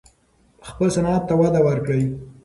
خپل صنعت ته وده ورکړئ.